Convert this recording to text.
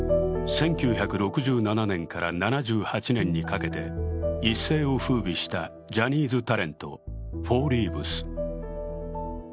１９６８年から７８年にかけて一世をふうびしたジャニーズタレント、フォーリーブス。